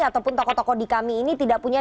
ataupun tokoh tokoh di kami ini tidak punya